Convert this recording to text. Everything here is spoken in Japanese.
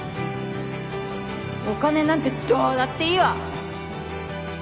お金なんてどうだっていいわ